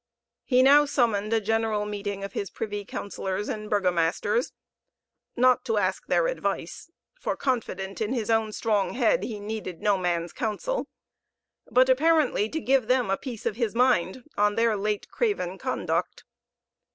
He now summoned a general meeting of his privy councillors and burgomasters, not to ask their advice, for confident in his own strong head, he needed no man's counsel, but apparently to give them a piece of his mind on their late craven conduct.